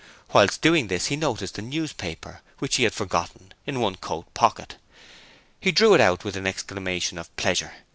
Whilst doing this he noticed the newspaper, which he had forgotten, in the coat pocket. He drew it out with an exclamation of pleasure.